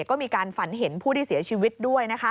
ก็มีการฝันเห็นผู้ที่เสียชีวิตด้วยนะคะ